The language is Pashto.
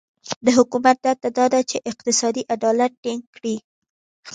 د حکومت دنده دا ده چې اقتصادي عدالت ټینګ کړي.